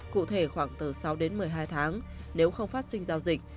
cụ thể khoảng từ sáu đến một mươi hai tháng nếu không phát sinh giao dịch